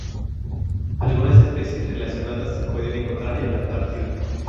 Algunas especies relacionadas se pueden encontrar en la Antártida.